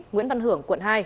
nguyễn văn hưởng quận hai